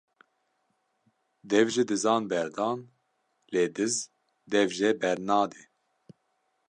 Dev ji dizan berdan lê diz dev jê bernade